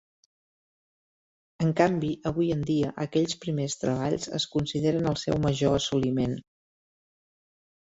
En canvi, avui en dia aquells primers treballs es consideren el seu major assoliment.